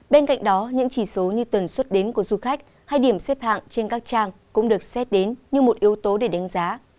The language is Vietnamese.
bên cạnh đó những chỉ số như tần suất đến của du khách hay điểm xếp hạng trên các trang cũng được xét đến như một yếu tố để đánh giá